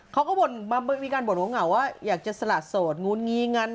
เขาก็บ่นมีการบ่นว่าเหงาว่าอยากจะสละโสดงูนงีเงินัน